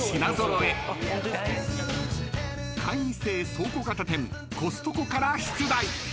［会員制倉庫型店コストコから出題］